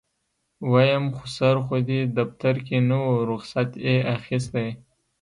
ويم خسر خو دې دفتر کې نه و رخصت يې اخېستی.